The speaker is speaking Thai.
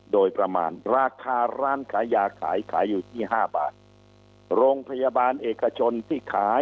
โดยประมาณราคาร้านขายยาขายขายอยู่ที่ห้าบาทโรงพยาบาลเอกชนที่ขาย